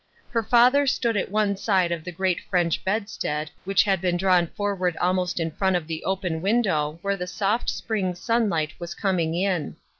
Her father stood at one side of the great French bedstead which had been drawn forward almost in front of the open window where the soft spring sunlight was coming in.